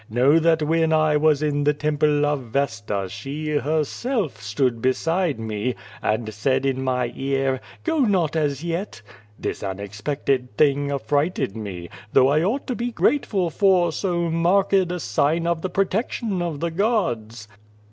Know that when I was in the temple of Vesta, she herself, stood beside me, and said in my ear, ^Qo not as yet.' This unexpected thing affrighted me, though I ought to be grateful for so marked a sign of the protection of the gods."